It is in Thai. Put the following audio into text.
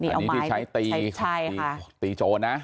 นี่อาวามายใช้ตีตีโจทย์นะ